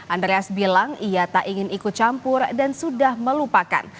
andreas bilang ia tak ingin ikut campur dan sudah melupakan